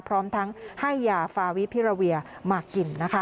พร้อมทั้งให้ยาฟาวิพิราเวียมากินนะคะ